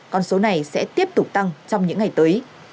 con số này sẽ tiếp tục tăng trong những ngày tới